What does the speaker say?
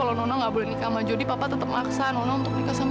pohon mimpi apa semalam